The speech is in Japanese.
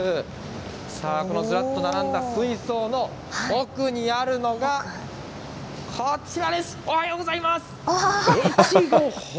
このずらっと並んだ水槽の奥にあるのが、こちらです、おはようございます。